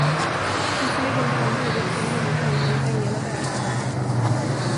Visserligen hade han bjudit på en omgång, men drängarna vägrade.